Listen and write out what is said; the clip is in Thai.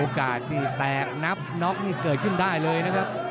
นี่แตกนับน็อกนี่เกิดขึ้นได้เลยนะครับ